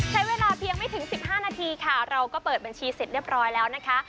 ใช้เวลาเพียงไม่ถึง๑๕นาทีค่ะเราก็เปิดบัญชีเสร็จเรียบร้อยแล้วนะคะ